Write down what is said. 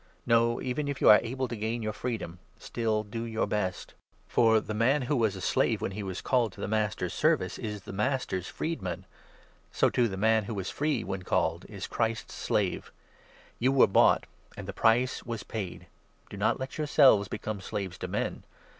No, even if you are able to gain your freedom, still do your best. For the man who was a 22 I. CORINTHIANS, 7. 817 slave when he was called to the Master's service is. the Master's freed man ; so, too, the man who was free when called is Chris t's slave. You were bought, and the price was paid. Do 23 not let yourselves become slaves to men.